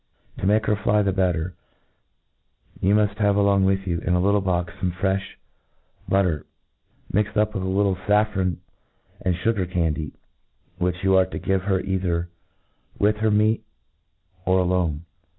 To make her fly the better, you muft have along with you, in a little box, fome frefh but ter, mixed up with a little faffron and fugar can dy, which you arc to give her either with her meat, _or alone.